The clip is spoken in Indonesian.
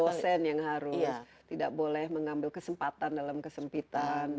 dosen yang harus tidak boleh mengambil kesempatan dalam kesempitan